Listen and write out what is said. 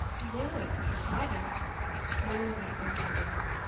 "Hullo! it's my father! Oh, that won't hinder."